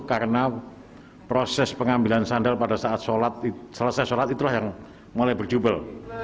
karena proses pengambilan sandal pada saat sholat selesai sholat itulah yang mulai berjubel